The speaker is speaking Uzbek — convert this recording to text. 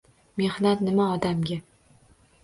Mehnat nima odamga